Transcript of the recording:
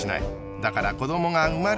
だから子どもが生まれない。